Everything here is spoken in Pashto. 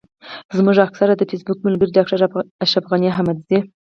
زموږ اکثره فېسبوکي ملګري ډاکټر اشرف غني احمدزی.